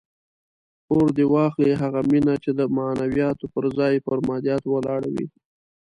اور دې واخلي هغه مینه چې د معنویاتو پر ځای پر مادیاتو ولاړه وي.